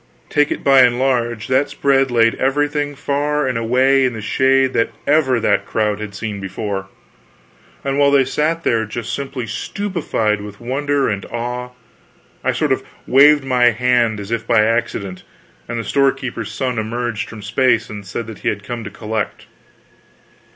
Take it by and large, that spread laid everything far and away in the shade that ever that crowd had seen before. And while they sat there just simply stupefied with wonder and awe, I sort of waved my hand as if by accident, and the storekeeper's son emerged from space and said he had come to collect.